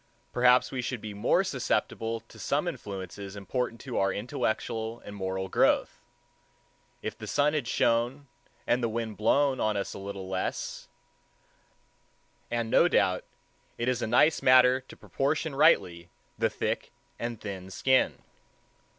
Perhaps we should be more susceptible to some influences important to our intellectual and moral growth, if the sun had shone and the wind blown on us a little less; and no doubt it is a nice matter to proportion rightly the thick and thin skin.